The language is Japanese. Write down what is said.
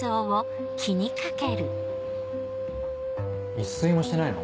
一睡もしてないの？